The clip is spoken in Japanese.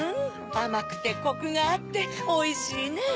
あまくてコクがあっておいしいねぇ！